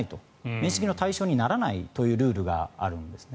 免責の対象にならないというルールがあるんですね。